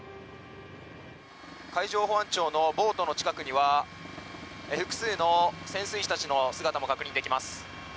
海上保安庁のボートの近くには複数の潜水士たちの姿も確認できます。